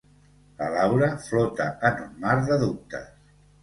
La Laura flota en un mar de dubtes.